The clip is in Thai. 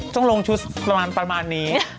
ต้องลงชุดประมาณนี้